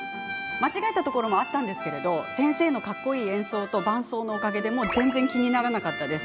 間違えたところもあったんですが先生のかっこいい演奏と伴奏のおかげで全然気にならなかったです。